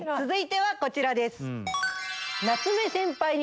続いてはこちらです。